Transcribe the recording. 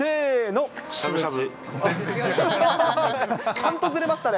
しゃぶしゃぶ。